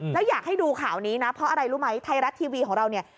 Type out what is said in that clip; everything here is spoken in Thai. แล้วอยากให้ดูข่าวนี้นะเพราะอะไรรู้ไหมไทยรัฐทีวีของเราเนี่ย